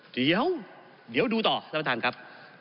เดี๋ยวดูต่อท่านประธานครับ